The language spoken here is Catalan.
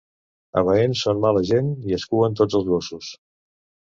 A Baén són mala gent, i escuen tots els gossos.